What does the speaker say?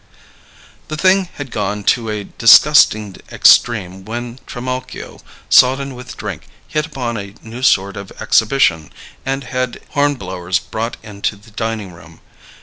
The thing had gone to a disgusting extreme when Trimalchio, sodden with drink, hit upon a new sort of exhibition, and had hornblowers brought into the dining room.